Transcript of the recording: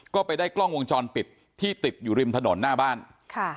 ก็ไปได้กล้องวงจรปิดที่ติดอยู่ริมถนนหน้าบ้านค่ะ